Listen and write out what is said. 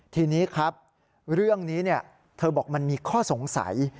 ทีนี้ครับเรื่องนี้เธอบอกมันมีข้อสงสัย